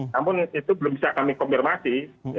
namun itu belum bisa kami konfirmasi